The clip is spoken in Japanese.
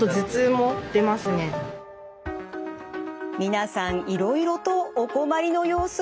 皆さんいろいろとお困りの様子。